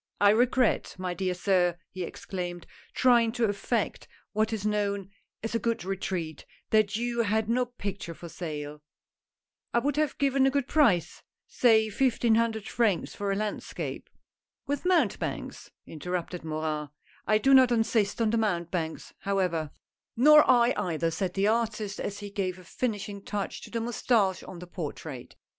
"I regret, my dear sir," he exclaimed, trying to effect what is known as a good retreat, " that you had no picture for sale: I would have given a good price — say fifteen hundred francs for a landscape." "With mountebanks?" interrupted Morin. " I do not insist on the mountebanks, however I " A NEW ASPIRANT. 149 " Nor I either," said the artist as he gave a finishing touch to the moustache on the portrait.